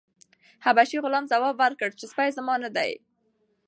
حبشي غلام ځواب ورکړ چې سپی زما نه دی.